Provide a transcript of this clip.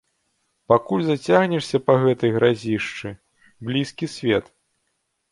Пакуль зацягнешся па гэтай гразішчы, блізкі свет.